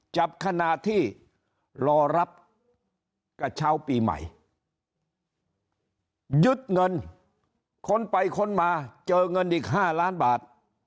จับขณะที่รอรับกระเช้าปีใหม่ยึดเงินคนไปค้นมาเจอเงินอีก๕ล้านบาท